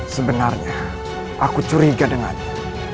sebenarnya aku curiga dengan dia